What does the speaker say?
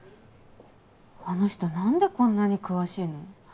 あの人何でこんなに詳しいの？